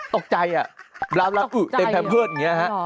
ตกใจรับรักอึ๊ะเต็มแพร่มเพิร์ตอย่างนี้